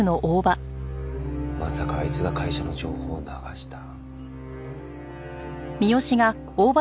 まさかあいつが会社の情報を流した？